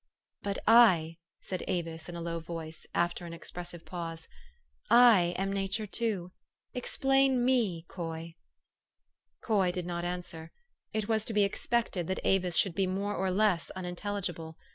"But I," said Avis in a low voice, after an ex pressive pause, " I am nature, too. Explain me, Coy." Coy did not answer. It was to be expected that Avis should be more or less unintelligible.